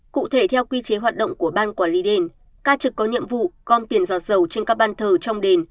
cụ thể theo quy chế hoạt động của ban quản lý đền ca trực có nhiệm vụ gom tiền giọt dầu trên các ban thờ trong đền